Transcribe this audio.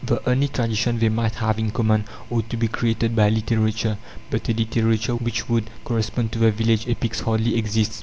The only tradition they might have in common ought to be created by literature, but a literature which would correspond to the village epics hardly exists.